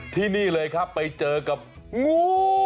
ที่นี่เลยครับไปเจอกับงู